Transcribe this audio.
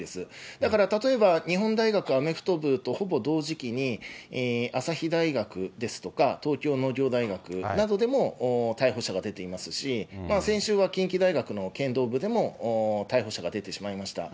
だから例えば、日本大学アメフト部とほぼ同時期に、あさひ大学ですとか、東京農業大学などでも逮捕者が出ていますし、先週は近畿大学の剣道部でも逮捕者が出てしまいました。